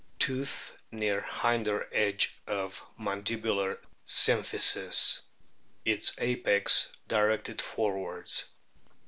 Tooth near hinder ed^e o of mandibular symphysis ; its apex directed forwards.